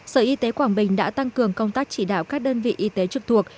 sở y tế quảng bình đã tăng cường công tác chỉ đạo các đơn vị y tế trực thuộc